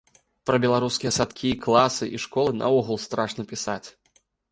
Пра беларускія садкі, класы і школы наогул страшна пісаць.